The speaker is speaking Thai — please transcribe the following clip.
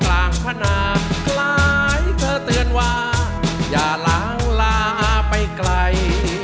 กลางขนาดคล้ายเธอเตือนว่าอย่าล้างลาไปไกล